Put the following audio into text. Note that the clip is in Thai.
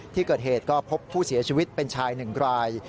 ที่เกิดเหตุก็พบผู้เสียชีวิตเป็นชาย๑ราย